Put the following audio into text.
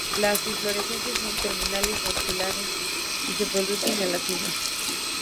Las inflorescencias son terminales o axilares y se producen en las cimas.